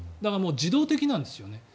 自動的なんですよね。